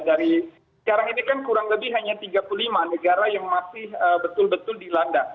dari sekarang ini kan kurang lebih hanya tiga puluh lima negara yang masih betul betul dilanda